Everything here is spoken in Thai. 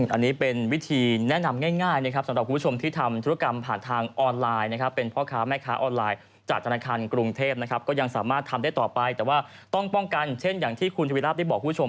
อันนี้เป็นวิธีแนะนำง่ายสำหรับผู้ชม